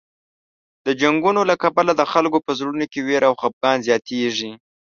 د جنګونو له کبله د خلکو په زړونو کې وېره او خفګان زیاتېږي.